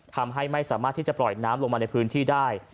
ทำให้ไม่สามารถที่จะปล่อยน้ำลงมาในพื้นที่ได้